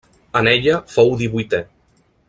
En ella fou divuitè.